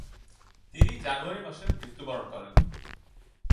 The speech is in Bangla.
তিনি জানুয়ারি মাসে মৃত্যুবরণ করেন।